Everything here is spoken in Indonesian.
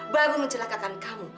baru mencelakakan kamu